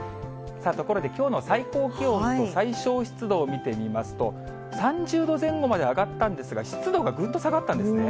ところで、きょうの最高気温と最小湿度を見てみますと、３０度前後まで上がったんですが、湿度がぐんと下がったんですね。